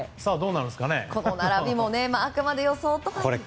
この並びもあくまで予想というね。